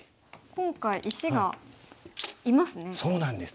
今回石がいますね。